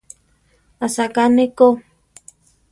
Asaká ne ko.